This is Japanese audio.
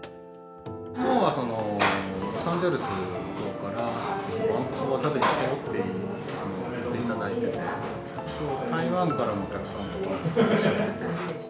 きのうはロサンゼルスのほうから、わんこそば食べに来たよって言っていただいてて、台湾からのお客さんとかもいらっしゃってて。